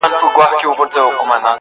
پردی ولات د مړو قدر کموینه.!